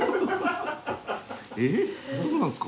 えっそうなんですか？